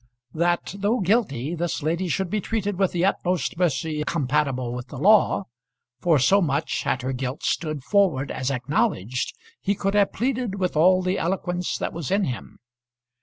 That though guilty this lady should be treated with the utmost mercy compatible with the law; for so much, had her guilt stood forward as acknowledged, he could have pleaded with all the eloquence that was in him.